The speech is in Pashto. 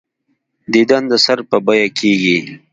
دیدن د سر په بیعه کېږي.